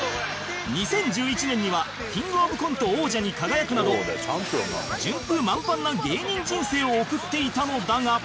２０１１年にはキングオブコント王者に輝くなど順風満帆な芸人人生を送っていたのだが